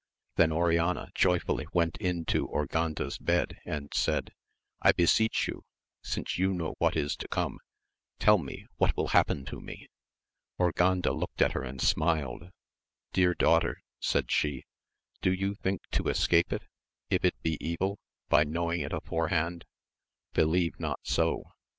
Then Oriana joyfully went into Urganda's bed and said, I beseech you, since you know what is to come, tell me what wiU happen to me ! Urganda looked at her and smiled. Dear daughter, said she, do you think to escape it, if it be evil, by knowing it afore hand 1 Believe not so